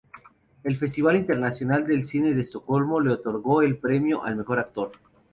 El Festival Internacional de Cine de Estocolmo le otorgó el premio al Mejor Actor.